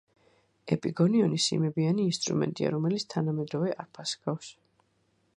ეპიგონიონი სიმებიანი ინსტრუმენტია, რომელიც თანამედროვე არფას ჰგავს.